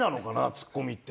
ツッコミって。